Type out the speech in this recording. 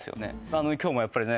あの今日もやっぱりね